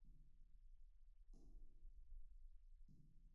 د دوی نوم په پیشلیک کې نه وو لیکل سوی.